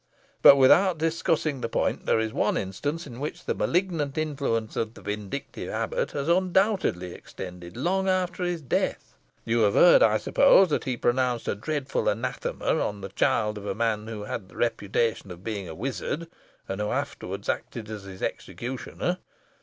But, without discussing the point, there is one instance in which the malignant influence of the vindictive abbot has undoubtedly extended long after his death. You have heard, I suppose, that he pronounced a dreadful anathema upon the child of a man who had the reputation of being a wizard, and who afterwards acted as his executioner.